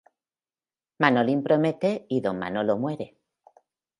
Manolín promete y Don Manolo muere.